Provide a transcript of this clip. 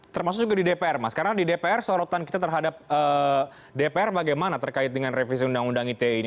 termasuk juga di dpr mas karena di dpr sorotan kita terhadap dpr bagaimana terkait dengan revisi undang undang ite ini